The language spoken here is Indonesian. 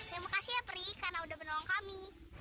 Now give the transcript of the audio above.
terima kasih ya pri karena udah menolong kami